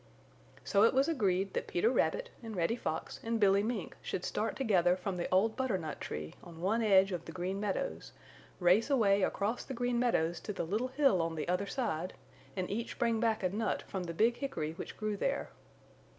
So it was agreed that Peter Rabbit and Reddy Fox and Billy Mink should start together from the old butternut tree on one edge of the Green Meadows, race away across the Green Meadows to the little hill on the other side and each bring back a nut from the big hickory which grew there.